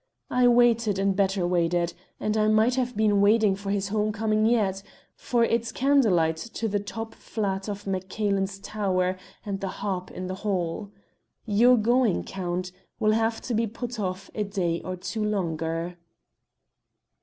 I waited and better waited, and I might have been waiting for his home coming yet, for it's candle light to the top flat of MacCailen's tower and the harp in the hall. Your going, Count, will have to be put off a day or two longer."